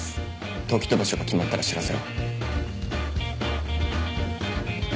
時と場所が決まったら知らせろ。